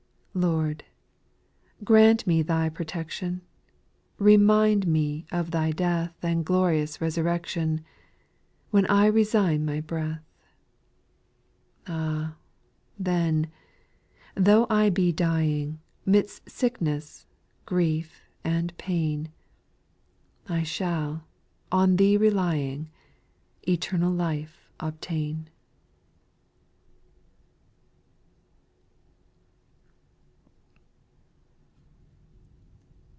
6. Lord, grant me Thy protection ; Remind me of Thy death And glorious resurrection, When I resign my breath ; Ah I then, though I be dying. Midst sickness, grief and pain, 1 shall, on Thee relying, Eternal life obtain.